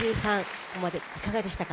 ここまでいかがでしたか？